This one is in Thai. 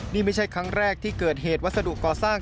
นี่ไม่ใช่ครั้งแรกที่เกิดเหตุวัสดุก่อสร้าง